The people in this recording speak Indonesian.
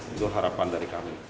itu harapan dari kami